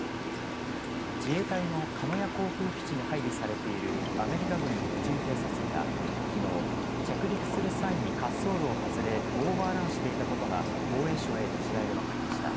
自衛隊の鹿屋航空基地に配備されているアメリカ軍の無人偵察機がきのう着陸する際に滑走路を外れオーバーランしていたことが防衛省への取材で分かりました。